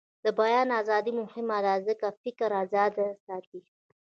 د بیان ازادي مهمه ده ځکه چې د فکر ازادي ساتي.